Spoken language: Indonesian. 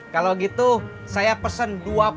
kalau gitu saya pesen dua puluh